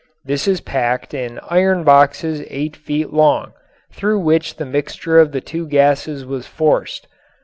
This is packed in iron boxes eight feet long, through which the mixture of the two gases was forced.